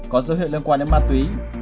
có dấu hiệu liên quan đến ma túy